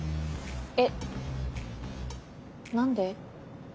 えっ何で？